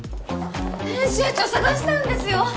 編集長捜したんですよ